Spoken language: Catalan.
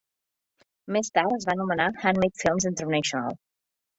Més tard es va anomenar Handmade Films International.